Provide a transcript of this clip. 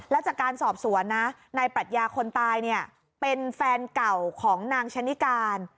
แล้วจากการสอบสวนนะนายปรัชญาคนตายเนี่ยเป็นแฟนเก่าของนางชะนิการ